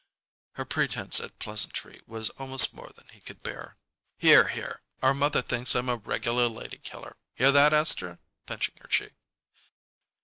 Her pretense at pleasantry was almost more than he could bear. "Hear! Hear! Our mother thinks I'm a regular lady killer! Hear that, Esther?" pinching her cheek.